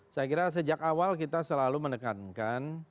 saya kira sejak awal kita selalu menekankan